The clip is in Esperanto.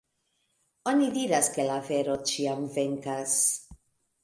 Oni diras, ke la vero ĉiam venkas.